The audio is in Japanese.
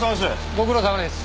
ご苦労さまです。